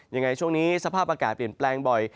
ยังไงช่วงนี้สภาพอากาศเปลี่ยนแปลงบ่อย